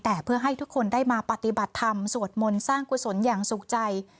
แต่เพื่อให้ทุกคนได้มาปฏิบัติธรรมสวดมนต์สร้างกุศลอย่างสุขใจ